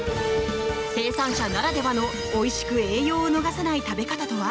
生産者ならではのおいしく、栄養を逃さない食べ方とは？